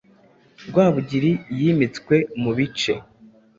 Rwabugili yimitswe mu bice